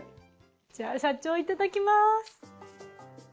じゃあ社長いただきます。